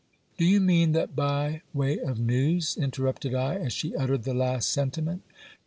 Do you mean that by way of news? interrupted I as she uttered the last sen timent.